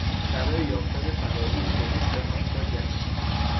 برای یافتن فراری پلیس دهات را گشت.